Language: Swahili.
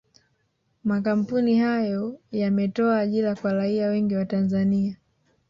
Makampuni hayo yametoa ajira kwa raia wengi wa Tanzania